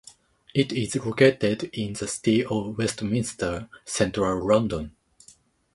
It is located in the City of Westminster, central London.